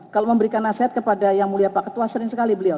kalau memberikan nasihat kepada yang mulia pak ketua sering sekali beliau